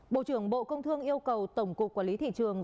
bộ trưởng bộ công thương yêu cầu tổng cục quản lý thị trường